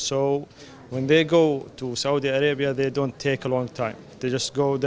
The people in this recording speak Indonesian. jadi ketika mereka pergi ke saudi arabia mereka tidak mengambil waktu yang lama